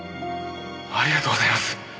ありがとうございます！